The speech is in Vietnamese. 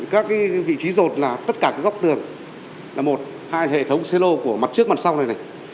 các vị trí rột là tất cả các góc tường là một hai hệ thống xe lô của mặt trước mặt sau này này